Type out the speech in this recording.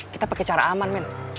kita pakai cara aman men